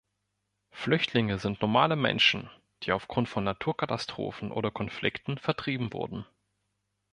Flüchtlinge sind normale Menschen, die aufgrund von Naturkatastrophen oder Konflikten vertrieben wurden